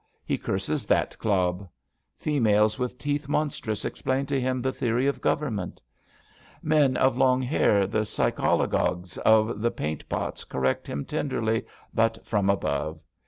He curses that clob. Females with teeth monstrous explain to him the theory of Government. Men of long hair, the psychologues of the paint pots, correct him tenderly, but from above.